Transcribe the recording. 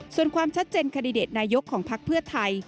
ส่วนความชัดเจนแคนดิเดตนายกของพักเพื่อไทย